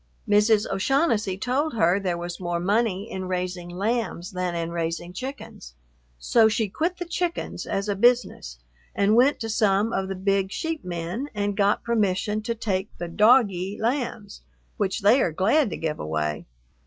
Mrs. O'Shaughnessy told her there was more money in raising lambs than in raising chickens, so she quit the chickens as a business and went to some of the big sheep men and got permission to take the "dogie" lambs, which they are glad to give away.